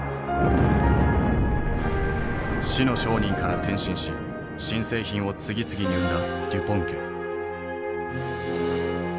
死の商人から転身し新製品を次々に生んだデュポン家。